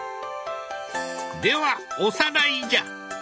ではおさらいじゃ！